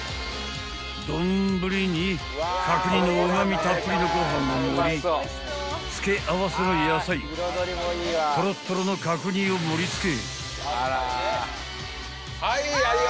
［丼に角煮のうま味たっぷりのご飯を盛り付け合わせの野菜トロットロの角煮を盛り付け］